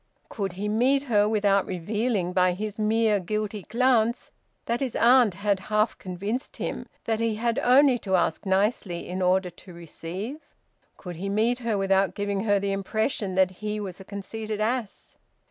Could he meet her without revealing by his mere guilty glance that his aunt had half convinced him that he had only to ask nicely in order to receive? Could he meet her without giving her the impression that he was a conceited ass?